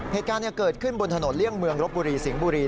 เหตุการณ์เกิดขึ้นบนถนนเลี่ยงเมืองรบบุรีสิงห์บุรี